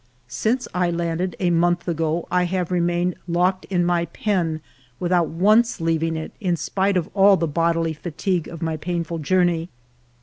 Since I landed a month ago, I have remained locked in my pen without once leaving it, in spite of all the bodily fatigue of my painful journey.